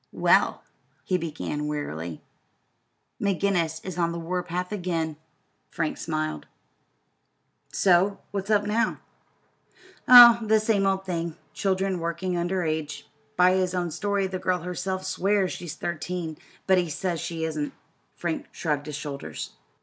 "Well," he began wearily, "McGinnis is on the war path again." Frank smiled. "So? What's up now?" "Oh, same old thing children working under age. By his own story the girl herself swears she's thirteen, but he says she isn't." Frank shrugged his shoulders.